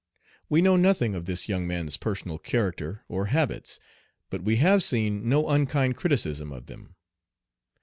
We know nothing of this young man's personal character or habits, but we have seen no unkind criticism of them.